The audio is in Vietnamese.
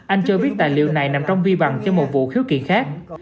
anh cho biết tài liệu này nằm trong vi bằng cho một vụ khiếu kiện khác